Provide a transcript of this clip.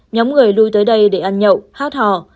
nhóm người lưu tới đây để ăn nhậu hát họ